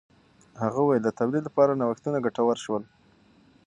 هغه وویل د تولید لپاره نوښتونه ګټور شول.